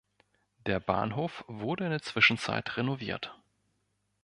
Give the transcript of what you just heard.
Der Bahnhof wurde in der Zwischenzeit renoviert.